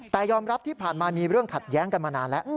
แต่ยอมรับที่ผ่านมามีเรื่องขัดแย้งกันมานานแล้ว